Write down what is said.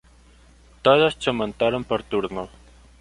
Todos se montaron por turnos.